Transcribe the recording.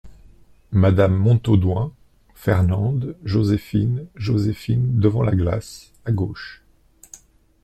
Madame Montaudoin, Fernande, Joséphine Joséphine , devant la glace, à gauche.